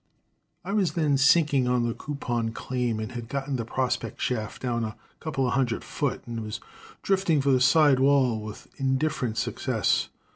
"I was then sinking on the Coopon claim, and had got the prospect shaft down a couple of hundred foot and was drifting for the side wall with indifferent success.